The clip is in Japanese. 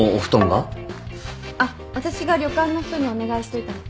あっ私が旅館の人にお願いしといたの。